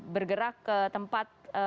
bergerak ke tempat